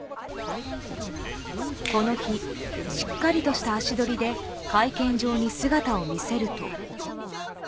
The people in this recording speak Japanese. この日、しっかりとした足取りで会見場に姿を見せると。